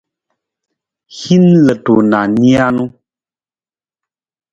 Hin ludu na nijanu.